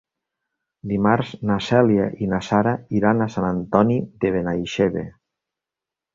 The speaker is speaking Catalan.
Dimarts na Cèlia i na Sara iran a Sant Antoni de Benaixeve.